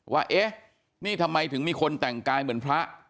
ว่าเอ๊ะนี่ทำไมถึงมีคนแต่งกายเหมือนพระ